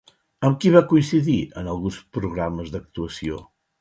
Amb qui va coincidir en alguns programes d'actuació?